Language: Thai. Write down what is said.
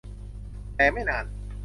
แต่ไม่นาน